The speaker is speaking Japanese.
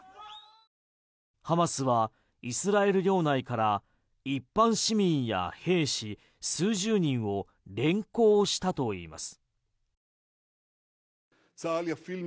ハマスはイスラエル領内から一般市民や兵士数十人を連行したといいます。